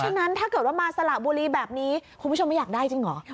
ฉะนั้นถ้าเกิดว่ามาสละบุรีแบบนี้คุณผู้ชมไม่อยากได้จริงเหรอ